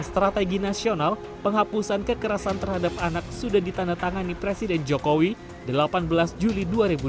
strategi nasional penghapusan kekerasan terhadap anak sudah ditandatangani presiden jokowi delapan belas juli dua ribu dua puluh